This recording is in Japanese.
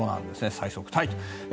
最速タイと。